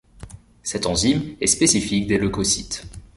Cette enzyme est spécifique des leucocytes.